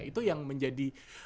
itu yang menjadi